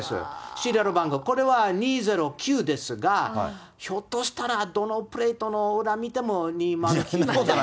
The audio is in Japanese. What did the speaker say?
シリアル番号、これは２０９ですが、ひょっとしたら、どのプレートの裏見ても２０９ってことも。